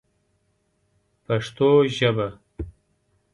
پښتو ژبه